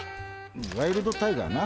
ワイルドタイガーな。